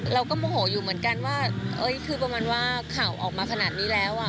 โมโหอยู่เหมือนกันว่าคือประมาณว่าข่าวออกมาขนาดนี้แล้วอ่ะ